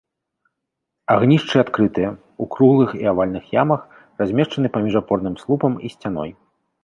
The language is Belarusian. Агнішчы адкрытыя, у круглых і авальных ямах, размешчаны паміж апорным слупам і сцяной.